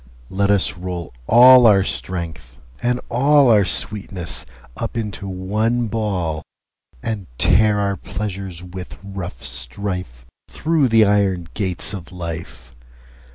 Let us roll all our Strength, and allOur sweetness, up into one Ball:And tear our Pleasures with rough strife, Thorough the Iron gates of Life.